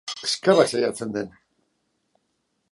Eskerrak saiatzen den!